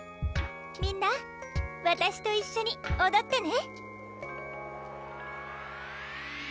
みんなわたしと一緒におどってね！